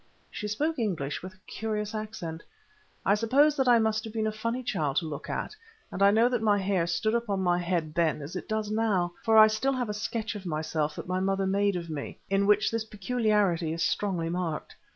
She spoke English with a curious accent. I suppose that I must have been a funny child to look at, and I know that my hair stood up on my head then as it does now, for I still have a sketch of myself that my mother made of me, in which this peculiarity is strongly marked.